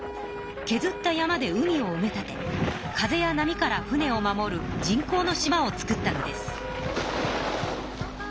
けずった山で海をうめ立て風や波から船を守る人工の島を造ったのです。